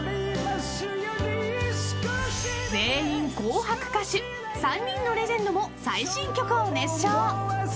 ［全員『紅白』歌手３人のレジェンドも最新曲を熱唱！］